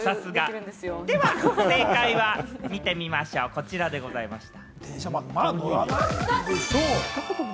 正解を見てみましょう、こちらでございました。